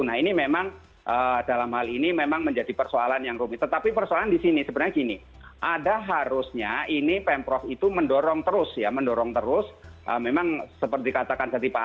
nah ini memang dalam hal ini memang menjadi persoalan yang rumit tetapi persoalan di sini sebenarnya gini ada harusnya ini pemprov itu mendorong terus ya mendorong terus memang seperti katakan